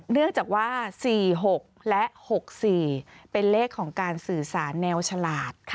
เนื่องจากว่า๔๖และ๖๔เป็นเลขของการสื่อสารแนวฉลาด